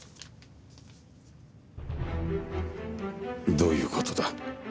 どういう事だ？